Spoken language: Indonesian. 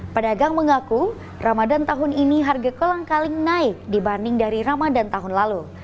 pedagang mengaku ramadan tahun ini harga kolang kaling naik dibanding dari ramadan tahun lalu